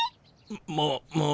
ままあ。